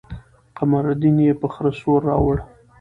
قمرالدين يې په خره سور راوړو.